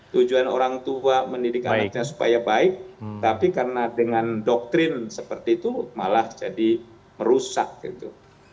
tujuan orang tua mendidik anaknya supaya baik tapi karena dengan doktrin seperti itu malah jadi merusak gitu